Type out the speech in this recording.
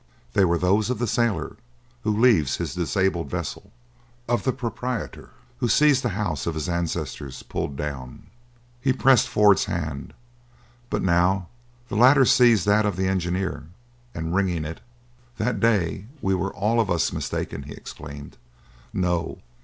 They were those of the sailor who leaves his disabled vessel—of the proprietor who sees the house of his ancestors pulled down. He pressed Ford's hand; but now the latter seized that of the engineer, and, wringing it: "That day we were all of us mistaken," he exclaimed. "No!